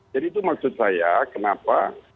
jadi itu maksud saya kenapa